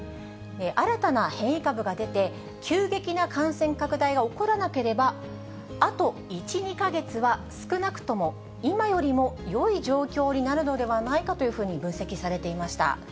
新たな変異株が出て、急激な感染拡大が起こらなければ、あと１、２か月は、少なくとも今よりもよい状況になるのではないかというふうに分析されていました。